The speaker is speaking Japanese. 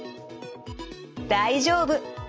大丈夫。